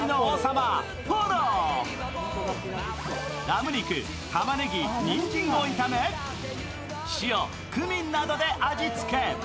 ラム肉、たまねぎ、にんじんを炒め塩、クミンなどで味付け。